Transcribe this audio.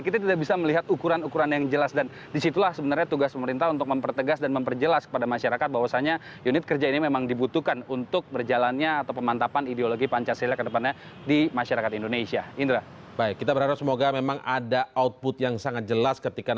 kita tidak bisa melihat ukuran ukuran yang jelas dan disitulah sebenarnya tugas pemerintah untuk mempertegas dan memperjelas kepada masyarakat bahwasannya unit kerja ini memang dibutuhkan untuk berjalannya atau pemantapan ideologi pancasila kedepannya di masyarakat indonesia